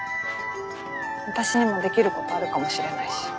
私にもできることあるかもしれないし。